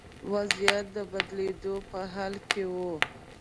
وضعیت د بدلېدو په حال کې و.